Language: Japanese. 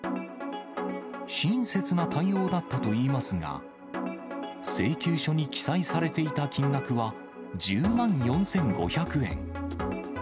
親切な対応だったといいますが、請求書に記載されていた金額は１０万４５００円。